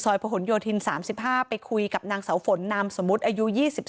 ประหลโยธิน๓๕ไปคุยกับนางเสาฝนนามสมมุติอายุ๒๒